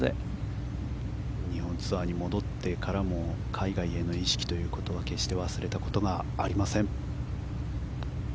日本ツアーに戻ってからも海外への意識は決して忘れたことがありません。